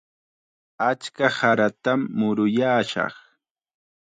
Achka saratam muruyaashaq.